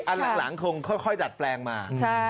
อันหลังคงค่อยดัดแปลงมา